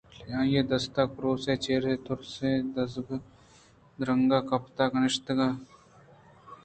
آئی ءَ دیست کُروسے ءَ چرآئی ءِ دزرس ءَ دور درٛنگ گِپتگ ءُ نِشتگ